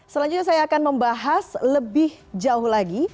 selanjutnya saya akan membahas lebih jauh lagi